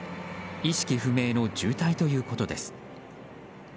意識不明の重体ということです。